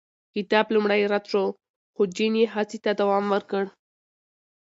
کتاب لومړی رد شو، خو جین یې هڅې ته دوام ورکړ.